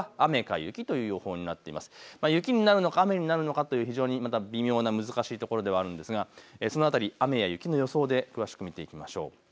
雪になるのか雨になるのかという非常にまた難しいところではあるんですがその辺り雨や雪の予想で詳しく見ていきましょう。